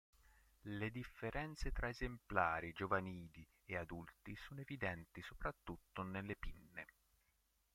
Le differenze tra esemplari giovanili e adulti sono evidenti soprattutto nelle pinne.